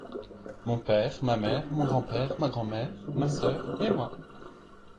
Mon père, ma mère, mon grand-père, ma grand-mère, ma sœur et moi.